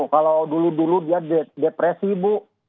kalau dulu dulu dia depresi bu